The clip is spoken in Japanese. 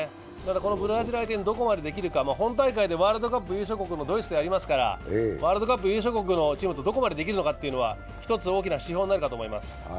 このブラジル相手にどこまでできるのか本大会でワールドカップ優勝国のドイツもいますから、ワールドカップ優勝国のチームとどこまでできるのかというのは一つ大きな指標になるかと思います。